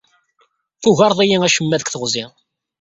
Tugareḍ-iyi acemma deg teɣzi.